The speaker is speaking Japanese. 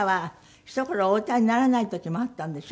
ひと頃お歌いにならない時もあったんでしょ？